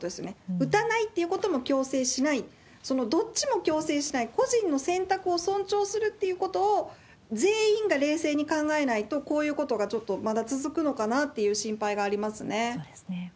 打たないということも強制しない、そのどっちも強制しない、個人の選択を尊重するということを全員が冷静に考えないと、こういうことがちょっとまだ続くのかなっていう心配がありますね。